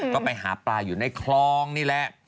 ก็ไปหาปลาอยู่ในคลองนี่แหละ